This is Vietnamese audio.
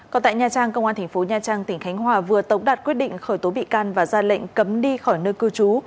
còn tại nha trang công an thành phố nha trang tỉnh khánh hòa vừa tống đạt quyết định khởi tố bị can và ra lệnh cấm đi khỏi nơi cư trú